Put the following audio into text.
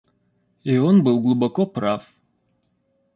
И он был глубоко прав.